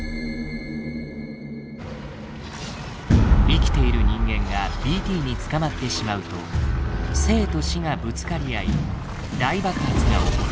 生きている人間がＢＴに捕まってしまうと生と死がぶつかり合い大爆発が起こる。